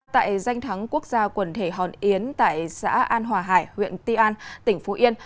tại danh thắng quốc gia quần thể hòn yến tại xã an hòa hải huyện ti an tỉnh phú yên